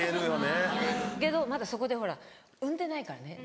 けどまだそこでほら産んでないからね。